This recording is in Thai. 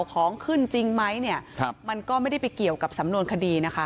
ของขึ้นจริงไหมเนี่ยมันก็ไม่ได้ไปเกี่ยวกับสำนวนคดีนะคะ